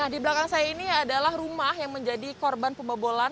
di belakang saya ini adalah rumah yang menjadi korban pembobolan